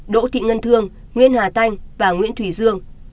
đỗ thị ngân thương nguyễn hà thanh và nguyễn thủy dương